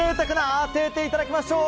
当てていただきましょう。